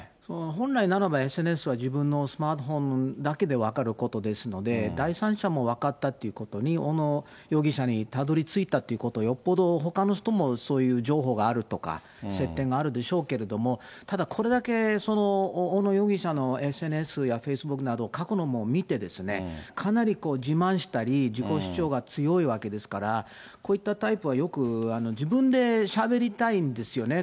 本来ならば、ＳＮＳは自分のスマートフォンだけで分かることですので、第三者も分かったということに、小野容疑者にたどりついたっていうこと、よっぽどほかの人もそういう情報があるとか、接点があるでしょうけれども、ただ、これだけ小野容疑者のＳＮＳやフェイスブックなど、過去のも見て、かなり自慢したり、自己主張が強いわけですから、こういったタイプは、よく自分でしゃべりたいんですよね。